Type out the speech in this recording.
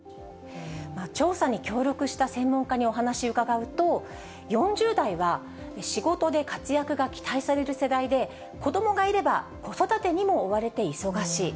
調査に協力した専門家にお話伺うと、４０代は仕事で活躍が期待される世代で、子どもがいれば、子育てにも追われて忙しい。